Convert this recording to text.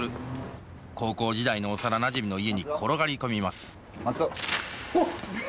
高校時代の幼なじみの家に転がり込みますうわっ！